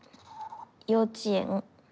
幼稚園。